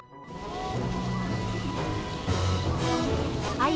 はい。